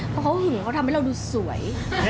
เพราะเขาหิวเขาทำให้เราดูสวย